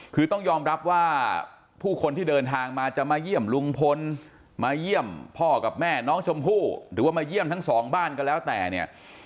คือต้องยอมรับว่าผู้คนที่เดินทางมาจะมาเยี่ยมลุงพลมาเยี่ยมพ่อกับแม่น้องชมพู่หรือว่ามาเยี่ยมทั้งสองบ้านก็แล้วแต่เนี่ย